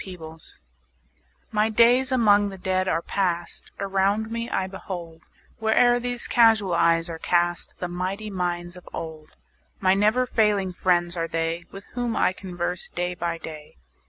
His Books MY days among the Dead are past; Around me I behold, Where'er these casual eyes are cast, The mighty minds of old: My never failing friends are they, 5 With whom I converse day by day.